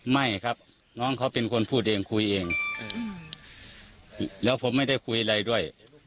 ไม่ครับน้องเขาเป็นคนพูดเองคุยเองแล้วผมไม่ได้คุยอะไรด้วย